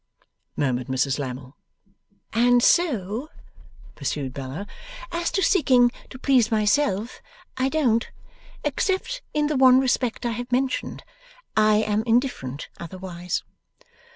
murmured Mrs Lammle. 'And so,' pursued Bella, 'as to seeking to please myself, I don't; except in the one respect I have mentioned. I am indifferent otherwise.